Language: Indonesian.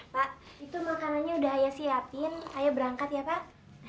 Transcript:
pak itu makanannya udah siapin saya berangkat ya pak